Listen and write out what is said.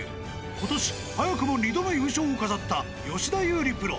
ことし、早くも２度の優勝を飾った吉田優利プロ。